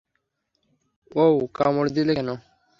ওউ, কামড় দিলে কেন?